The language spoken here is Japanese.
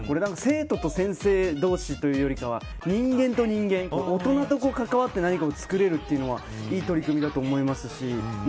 生徒と先生同士よりというよりかは人間と人間大人と関わって作れるのはいい取り組みだと思います。